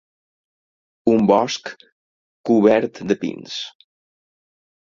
Un bosc cobert de pins.